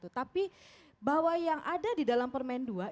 tapi bahwa yang ada di dalam permen dua